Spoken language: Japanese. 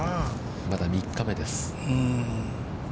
まだ３日目です。